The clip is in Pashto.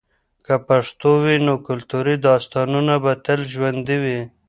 که پښتو وي، نو کلتوري داستانونه به تل ژوندۍ وي.